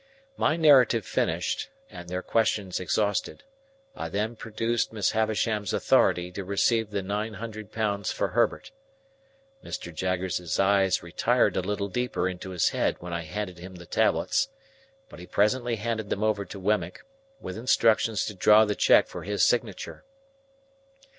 My narrative finished, and their questions exhausted, I then produced Miss Havisham's authority to receive the nine hundred pounds for Herbert. Mr. Jaggers's eyes retired a little deeper into his head when I handed him the tablets, but he presently handed them over to Wemmick, with instructions to draw the check for his signature.